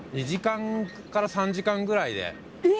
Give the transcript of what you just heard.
２時間から３時間ぐらいで。